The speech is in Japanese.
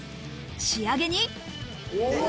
仕上げに。